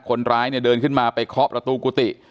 คนร้ายเนี่ยเดินขึ้นมาไปเคาะประตูกุฏิ